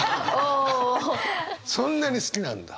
そんなに好きなんだ。